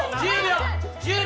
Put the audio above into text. １０秒。